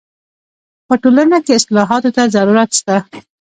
په ټولنه کي اصلاحاتو ته ضرورت سته.